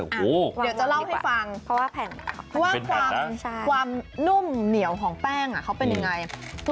เดี๋ยวจะเล่าให้ฟังเพราะว่าความนุ่มเหนียวของแป้งเขาเป็นยังไง